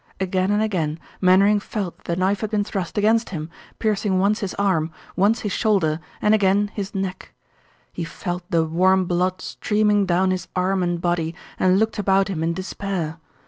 Again and again Mainwaring felt that the knife had been thrust against him, piercing once his arm, once his shoulder, and again his neck. He felt the warm blood streaming down his arm and body and looked about him in despair.